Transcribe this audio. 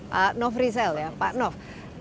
pak nov rizal ya pak nov